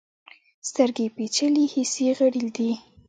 سترګې پیچلي حسي غړي دي.